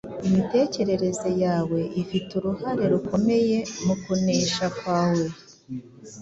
imitekerereze yawe ifite uruhare rukomeye mu kunesha kwawe.